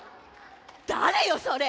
誰よそれ！